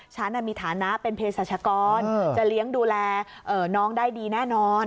ฉันมีฐานะเป็นเพศรัชกรจะเลี้ยงดูแลน้องได้ดีแน่นอน